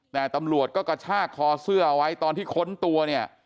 แต่ตำรวจก็กระชากคอเสื้อเอาไว้ตอนที่ค้นตัวเนี่ย